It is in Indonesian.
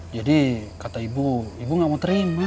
jadi kata ibu ibu gak mau terima